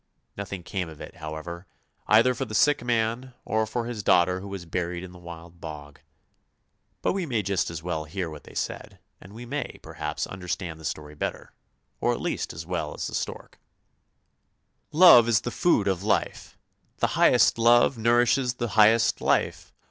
Nothing came of it, however, either for the sick man or for his daughter who s buried in the Wild Bog; but we may just as well hear what they said, and we may, perhaps, understand the story better, or atleasl 'ell as the stork. THE MARSH KING'S DAUGHTER 285 " Love is the food of life! The highest love nourishes the highest life!